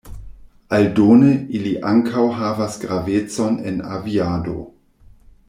Aldone ili ankaŭ havas gravecon en aviado.